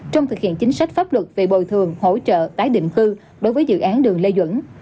trong thực hiện chính sách pháp luật về bồi thường hỗ trợ tái định cư đối với dự án đường lê duẩn